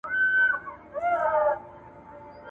• خر هغه خر دئ، خو توبره ئې نوې سوې ده.